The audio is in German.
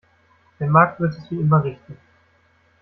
Der Markt wird es wie immer richten.